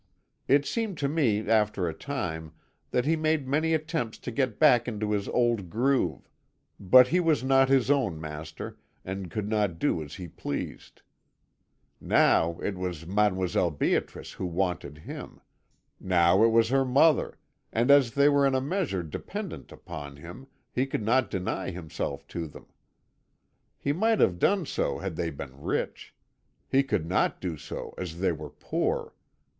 "It seemed to me, after a time, that he made many attempts to get back into his old groove; but he was not his own master, and could not do as he pleased. Now it was Mdlle. Beatrice who wanted him, now it was her mother, and as they were in a measure dependent upon him he could not deny himself to them. He might have done so had they been rich; he could not do so as they were poor.